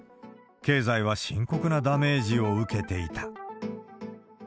経済は深刻なダメージを受けていた。